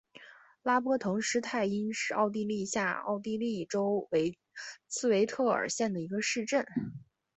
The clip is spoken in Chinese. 拉波滕施泰因是奥地利下奥地利州茨韦特尔县的一个市镇。